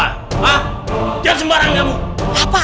apalagi buktinya ada gak